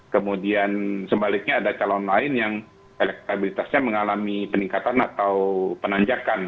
kemudian sebaliknya ada calon lain yang elektabilitasnya mengalami peningkatan atau penanjakan